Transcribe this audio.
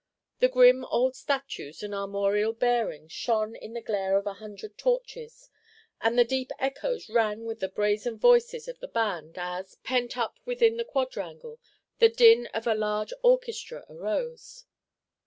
The grim old statues and armorial bearings shone in the glare of a hundred torches, and the deep echoes rang with the brazen voices of the band as, pent up within the quadrangle, the din of a large orchestra arose.